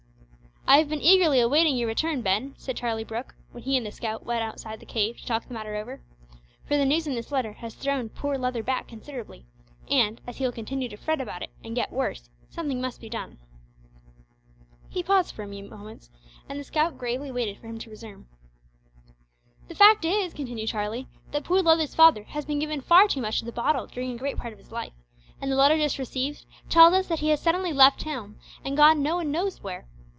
"I have been eagerly awaiting your return, Ben," said Charlie Brooke, when he and the scout went outside the cave to talk the matter over, "for the news in this letter has thrown poor Leather back considerably, and, as he will continue to fret about it and get worse, something must be done." He paused for a few moments, and the scout gravely waited for him to resume. "The fact is," continued Charlie, "that poor Leather's father has been given far too much to the bottle during a great part of his life, and the letter just received tells us that he has suddenly left home and gone no one knows where.